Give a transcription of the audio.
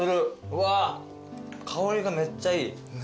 うわ香りがめっちゃいい。